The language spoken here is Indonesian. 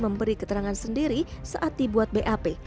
memberi keterangan sendiri saat dibuat bap